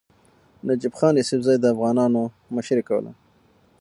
نجیب خان یوسفزي د افغانانو مشري کوله.